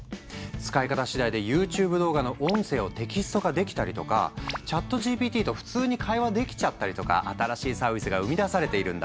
使い方次第でＹｏｕＴｕｂｅ動画の音声をテキスト化できたりとかＣｈａｔＧＰＴと普通に会話できちゃったりとか新しいサービスが生み出されているんだ。